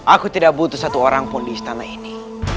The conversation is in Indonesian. aku tidak butuh satu orang pun di istana ini